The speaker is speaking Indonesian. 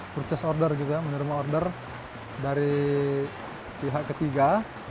purchase order gitu ya menerima order dari pihak ketiga